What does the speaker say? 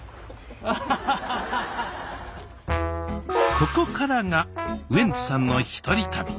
ここからがウエンツさんの一人旅。